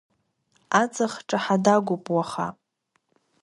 Аҵых ҿаҳа-дагәоуп уаха.